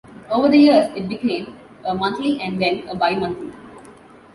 Over the years it became a monthly and then a bi-monthly.